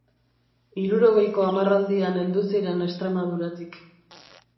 Hirurogeiko hamarraldian heldu ziren Extremaduratik.